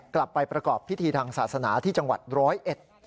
กลับไปประกอบพิธีทางศาสนาที่จังหวัดร้อยเอ็ด